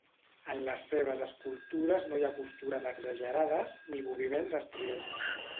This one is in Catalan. En les seves escultures no hi ha postures exagerades, ni moviments estridents.